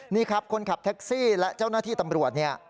นี่ครับคนขับแท็กซี่และเจ้าหน้าที่ตำรวจเนี่ย